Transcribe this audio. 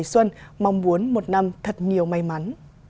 xuân mong muốn một năm thật nhiều may mắn